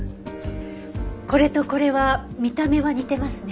これとこれは見た目は似てますね。